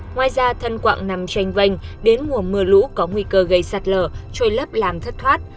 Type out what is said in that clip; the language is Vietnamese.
ngoài ra thân quạng nằm tranh vanh đến mùa mưa lũ có nguy cơ gây sạt lở trôi lấp làm thất thoát